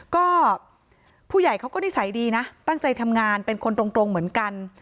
ก็ผู้ใหญ่เขาก็นิสัยดีนะตั้งใจทำงานเป็นคนตรงเหมือนกัน